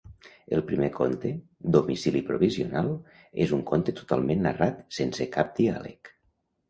El primer conte, Domicili provisional, és un conte totalment narrat sense cap diàleg.